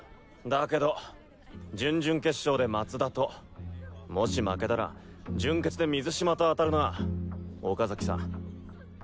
だけど準々決勝で松田ともし負けたら準決で水嶋と当たるな岡崎さん。